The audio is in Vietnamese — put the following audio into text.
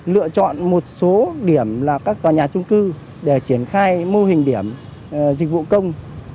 lựa chọn một số điểm là các tòa nhà trung cư để triển khai mô hình điểm dịch vụ công